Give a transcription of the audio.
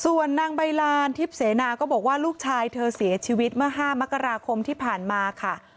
ส่วนนางใบลานทิพย์เสนาก็บอกว่าลูกชายเธอเสียชีวิตเมื่อ๕มกราคมที่ผ่านมาค่ะ